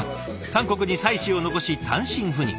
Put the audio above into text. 韓国に妻子を残し単身赴任。